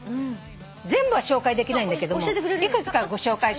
全部は紹介できないんだけどいくつかご紹介します。